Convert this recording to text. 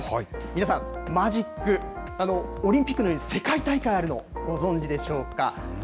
皆さん、マジック、オリンピックのように世界大会あるの、ご存じでしょうか。